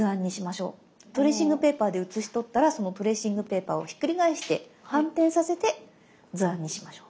トレーシングペーパーで写しとったらそのトレーシングペーパーをひっくり返して反転させて図案にしましょう。